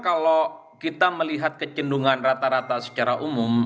kalau kita melihat kecendungan rata rata secara umum